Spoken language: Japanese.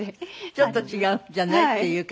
ちょっと違うんじゃない？っていう感じ？